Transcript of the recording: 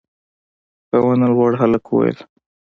په ونه لوړ هلک وويل: